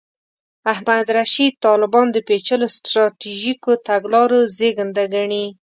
احمد رشید طالبان د پېچلو سټراټیژیکو تګلارو زېږنده ګڼي.